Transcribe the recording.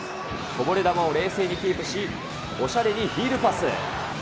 こぼれ球を冷静にキープし、おしゃれにヒールパス。